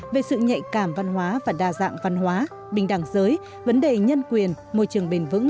về sự nhạy cảm văn hóa và đa dạng văn hóa bình đẳng giới vấn đề nhân quyền môi trường bền vững